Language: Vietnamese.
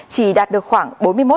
chỉ đạt được khoảng bốn mươi một bốn